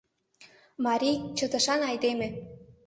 Марий — чытышан айдеме...